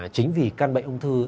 chính vì căn bệnh đông thư